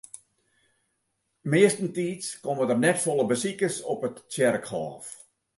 Meastentiids komme der net folle besikers op it tsjerkhôf.